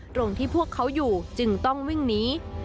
ตรงที่พวกเขาอยู่จึงต้องวิ่งหนี